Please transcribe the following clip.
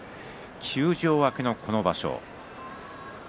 休場明けのこの場所です。